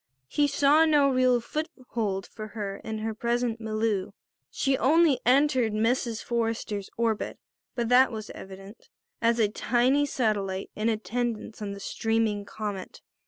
He saw no real foothold for her in her present milieu. She only entered Mrs. Forrester's orbit, that was evident, as a tiny satellite in attendance on the streaming comet.